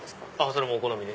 それもお好みで。